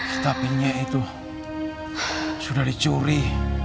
kitabnya itu sudah dicuri